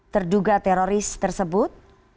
terduga teroris tersebut